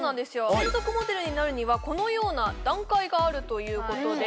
専属モデルになるにはこのような段階があるということで